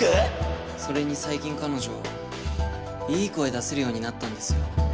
それに最近彼女いい声出せるようになったんですよ